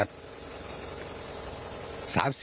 ร้าน